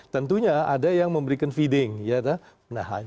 tentunya ada yang memberikan feeding